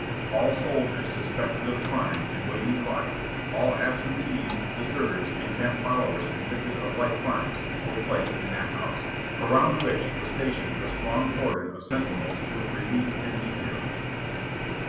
All soldiers suspected of crime and waiting trial, all absentees, deserters and camp followers convicted of light crimes were placed in that house, around which was stationed a strong cordon of sentinels with relief and details.